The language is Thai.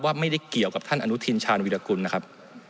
ไม่ได้เกี่ยวกับท่านอนุทินชาญวิรากุลนะครับ